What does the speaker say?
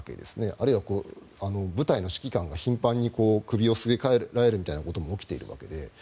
あるいは部隊の指揮官が頻繁に首をすげ替えられることも起きているわけで。